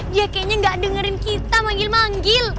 dia kayaknya gak dengerin kita manggil manggil